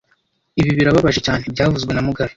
Ibi birababaje cyane byavuzwe na mugabe